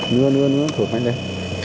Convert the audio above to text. nhựa nhựa nhựa thuộc anh đây